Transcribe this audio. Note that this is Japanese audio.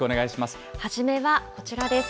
初めはこちらです。